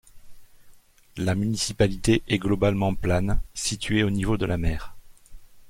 La municipalité est globalement plane, située au niveau de la mer.